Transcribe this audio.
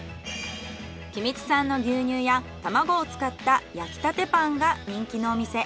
君津産の牛乳や卵を使った焼きたてパンが人気のお店。